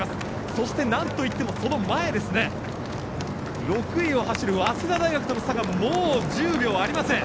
そしてなんといってもその前６位を走る早稲田大学との差がもう１０秒ありません。